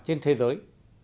trên thế giới